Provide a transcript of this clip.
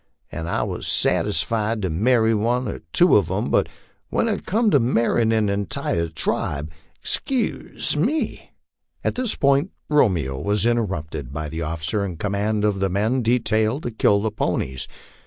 I was satisfied to marry one or two of 'em, but when it come to marryin' an intire tribe, 'souse me." At this point Romeo was interrupted by the officer in command of the men detailed to kill the ponies.